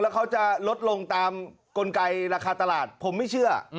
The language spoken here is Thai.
แล้วเขาจะลดลงตามกลไกราคาตลาดผมไม่เชื่อ